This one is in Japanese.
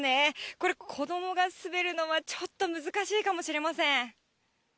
これ、子どもが滑るのはちょっと難しいかもしれません。